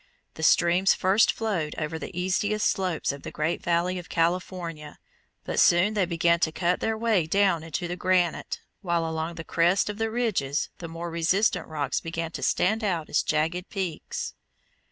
The streams first flowed over the easiest slopes to the Great Valley of California, but soon they began to cut their way down into the granite, while along the crests of the ridges the more resistant rocks began to stand out as jagged peaks.